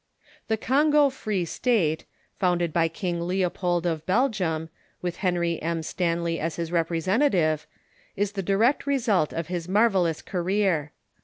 The Congo Free State, founded by King Leopold of Bel gium, with Henry M. Stanley as his re])resentative, is the di rect result of his marvellous career.